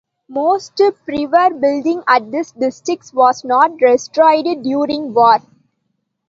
Most prewar building at this district was not destroyed during war.